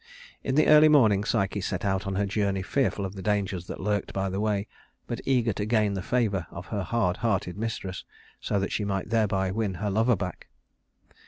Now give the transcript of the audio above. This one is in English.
In the early morning Psyche set out on her journey, fearful of the dangers that lurked by the way, but eager to gain the favor of her hard hearted mistress, so that she might thereby win her lover back.